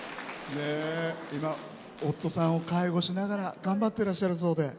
夫さんを介護しながら頑張っていらっしゃるそうで。